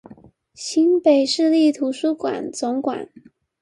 新北市立圖書館總館